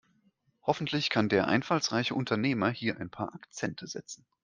Hoffentlich kann der einfallsreiche Unternehmer hier ein paar Akzente setzen.